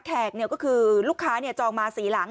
แขกก็คือลูกค้าจองมา๔หลัง